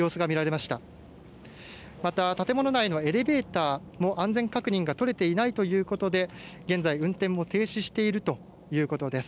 また建物内のエレベーターも安全確認が取れていないということで現在、運転も停止しているということです。